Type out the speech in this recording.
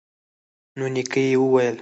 نو نیکه یې وویل